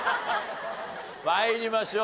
参りましょう。